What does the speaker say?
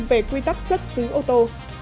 về quy tắc xuất xứ ô tô